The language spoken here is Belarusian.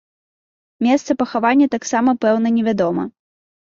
Месца пахавання таксама пэўна не вядома.